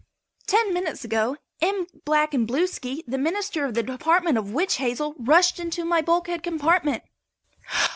Ten minutes ago M. Blackandblueski, the Minister of the Department of Witch Hazel, rushed into my bulkhead compartment.